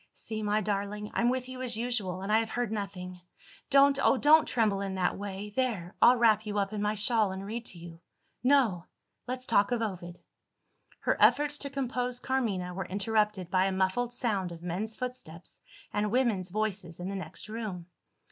"See, my darling, I'm with you as usual; and I have heard nothing. Don't, oh, don't tremble in that way! There I'll wrap you up in my shawl, and read to you. No! let's talk of Ovid." Her efforts to compose Carmina were interrupted by a muffled sound of men's footsteps and women's voices in the next room.